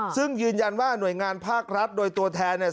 ซึ่งยืนยันว่าหน่วยงานภาครัฐโดยตัวแทนเนี่ย